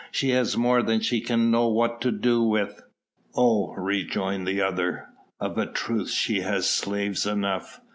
She has more than she can know what to do with." "Oh!" rejoined the other, "of a truth she has slaves enough.